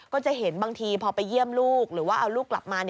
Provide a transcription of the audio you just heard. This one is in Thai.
ก็จะเห็นบางทีพอไปเยี่ยมลูกหรือว่าเอาลูกกลับมา